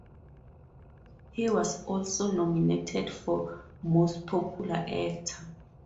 He was also nominated for "Most Popular Actor".